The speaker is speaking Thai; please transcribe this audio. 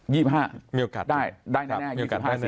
๒๕ได้แน่๒๕เสียง